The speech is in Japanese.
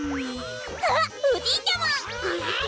あっおじいちゃま！